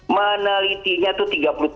menelitinya itu tiga puluh tujuh